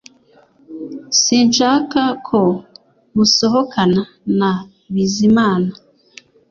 Sinshaka ko musohokana na Bizimana